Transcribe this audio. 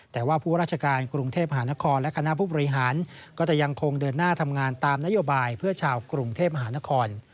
แต่ว่าผู้ราชการกรุงเทพหานครและคณะผู้บริหารก็จะยังคงเดินหน้าทำงานตามนโยบายเพื่อชาวกรุงเทพมหานคร